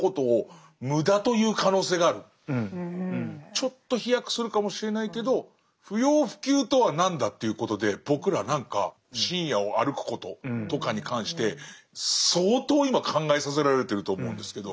ちょっと飛躍するかもしれないけど不要不急とは何だ？っていうことで僕ら何か深夜を歩くこととかに関して相当今考えさせられてると思うんですけど。